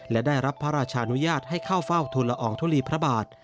และได้รับพระราชานุญาตให้เข้าเฝ้าทุนละอองทุลีพระบาท